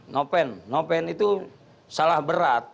nopel nopel itu salah berat